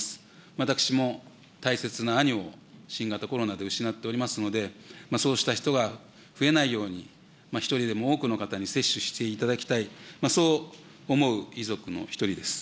私も大切な兄を新型コロナで失っておりますので、そうした人が増えないように１人でも多くの方に接種していただきたい、そう思う遺族の一人です。